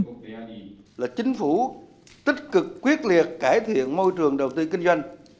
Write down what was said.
thủ tướng nguyễn xuân phúc khẳng định chính phủ luôn tích cực quyết liệt cải thiện môi trường đầu tư kinh doanh